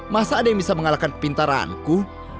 masa ada yang bisa mengalahkan kepintaranku